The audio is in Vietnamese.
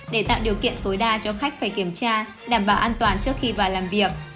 để tạo điều kiện tối đa cho khách phải kiểm tra đảm bảo an toàn trước khi vào làm việc